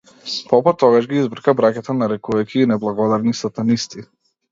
Попот тогаш ги избрка браќата нарекувајќи ги неблагодарни сатанисти.